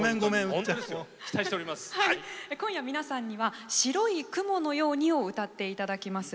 今夜、皆さんには「白い雲のように」を歌っていただきます。